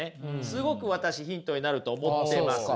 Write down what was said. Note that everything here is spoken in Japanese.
すごく私ヒントになると思ってます。